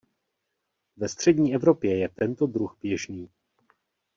Ve střední Evropě je tento druh běžný.